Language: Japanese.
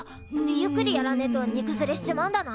ゆっくりやらねえとにくずれしちまうんだな！